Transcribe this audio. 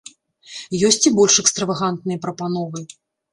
Ёсць і больш экстравагантныя прапановы.